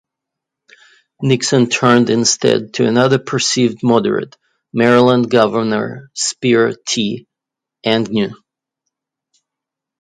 Nixon turned instead to another perceived moderate, Maryland Governor Spiro T. Agnew.